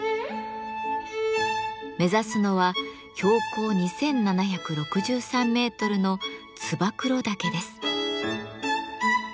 目指すのは標高２，７６３メートルの燕岳です。